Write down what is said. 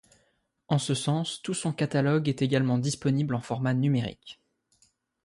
En ce sens, tout son catalogue est également disponible en format numérique.